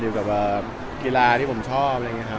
กับกีฬาที่ผมชอบอะไรอย่างนี้ครับ